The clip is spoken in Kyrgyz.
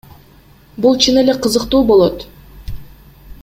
Бул чын эле кызыктуу болот.